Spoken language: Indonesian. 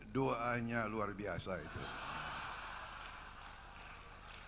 doanya luar biasa itu